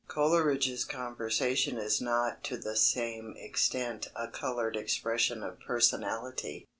Coleridge's conversation is not to the same extent a coloured expression of personality.